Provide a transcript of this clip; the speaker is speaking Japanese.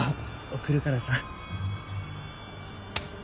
送るからさ。